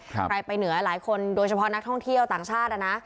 ใครไปเหนือหลายคนโดยเฉพาะนักท่องเที่ยวต่างชาตินะ